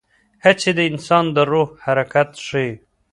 هڅې د انسان د روح حرکت ښيي.